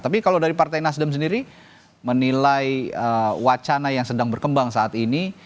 tapi kalau dari partai nasdem sendiri menilai wacana yang sedang berkembang saat ini